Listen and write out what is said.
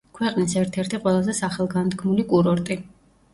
ქვეყნის ერთ-ერთი ყველაზე სახელგანთქმული კურორტი.